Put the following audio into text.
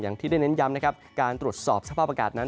อย่างที่ได้เน้นย้ำนะครับการตรวจสอบสภาพอากาศนั้น